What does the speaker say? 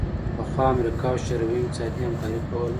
پخوا امریکا او شوروي هم اقتصادي همکاري کوله